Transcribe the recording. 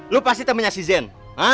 lu pasti temannya si zen